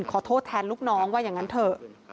ขอโทษแทนลูกน้องว่าอย่างนั้นเถอะ